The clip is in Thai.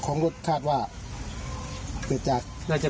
ของรถคาดว่า